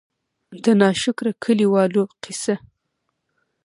د نا شکره کلي والو قيصه :